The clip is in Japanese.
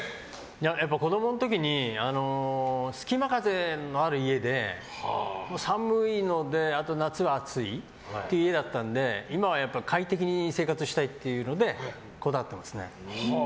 やっぱり子供の時に隙間風のある家で寒いので夏は暑いという家だったので今は快適に生活したいっていうのでこだわってますね。